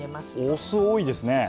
お酢多いですねえ。